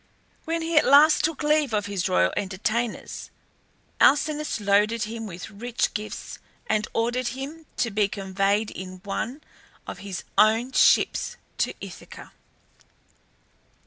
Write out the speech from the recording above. When he at last took leave of his royal entertainers Alcinous loaded him with rich gifts, and ordered him to be conveyed in one of his own ships to Ithaca.